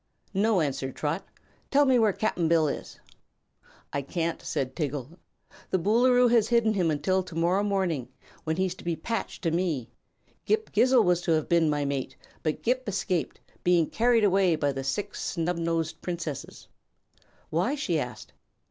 "No," answered Trot. "Tell me where Cap'n Bill is." "I can't," said Tiggle. "The Boolooroo has hidden him until to morrow morning, when he's to be patched to me. Ghip Ghisizzle was to have been my mate, but Ghip escaped, being carried away by the Six Snubnosed Princesses." "Why?" she asked.